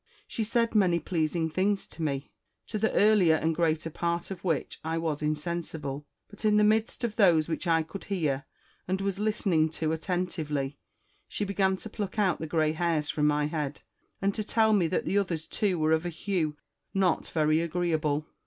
She said many pleasing things to me, to the earlier and greater part of which I was insensible ; but in the midst of those which I could hear and was listening to attentively, she began to pluck out the grey hairs from my head, and to tell me that the others too were of a hue not very agreeable.